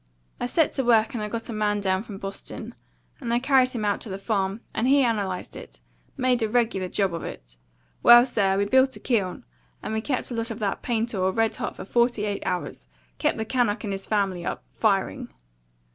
I set to work and I got a man down from Boston; and I carried him out to the farm, and he analysed it made a regular Job of it. Well, sir, we built a kiln, and we kept a lot of that paint ore red hot for forty eight hours; kept the Kanuck and his family up, firing.